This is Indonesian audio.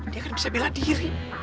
dia kan bisa bela diri